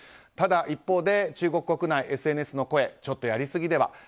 ただ、一方で中国国内ＳＮＳの声ちょっとやりすぎでは。